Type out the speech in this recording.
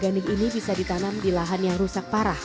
dan padi organik ini bisa ditanam di lahan yang rusak parah